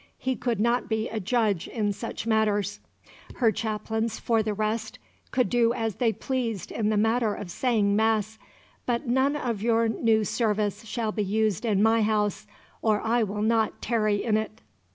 he could not be a judge in such matters. Her chaplains, for the rest, could do as they pleased in the matter of saying Mass, "but none of your new service shall be used in my house, or I will not tarry in it."